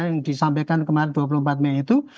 yang disampaikan kemarin dua puluh empat mei itu